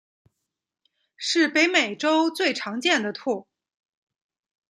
是北美洲最常见的兔。